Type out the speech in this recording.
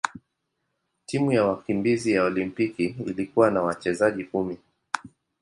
Timu ya wakimbizi ya Olimpiki ilikuwa na wachezaji kumi.